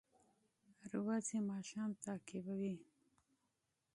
ورځې ماښام تعقیبوي